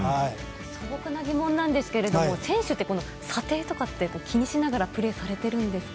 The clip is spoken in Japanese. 素朴な疑問ですが選手って、査定とかって気にしながらプレーされているんですか？